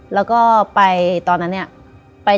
แล้วก็ไปตอนนั้นเนี่ย